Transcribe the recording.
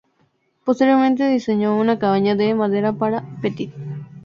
Posteriormente diseñó una cabaña de madera para Pettit.